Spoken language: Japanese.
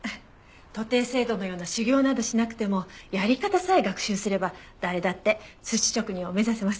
徒弟制度のような修業などしなくてもやり方さえ学習すれば誰だって寿司職人を目指せます。